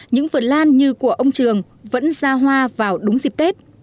những vườn lan như của ông trường vẫn ra hoa vào đúng dịp tết